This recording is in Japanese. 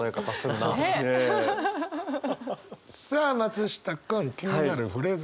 さあ松下君気になるフレーズ